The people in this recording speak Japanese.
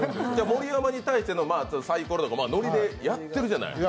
盛山に対してのさいころとかノリでやってるじゃない。